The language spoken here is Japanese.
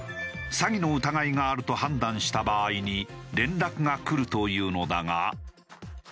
詐欺の疑いがあると判断した場合に連絡がくるというのだが。